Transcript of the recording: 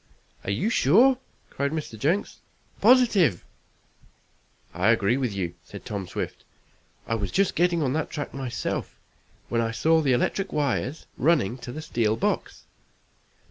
"Are you sure?" cried Mr. Jenks. "Positive." "I agree with you," said Tom Swift. "I was just getting on that track myself, when I saw the electric wires running to the steel box.